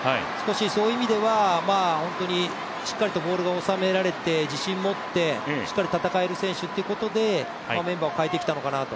そういう意味では、しっかりとボールがおさめられて、自信を持ってしっかり戦える選手ということでメンバーを代えてきたのかなと。